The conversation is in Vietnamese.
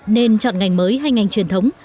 nên chọn ngành mới hay ngành truyền thống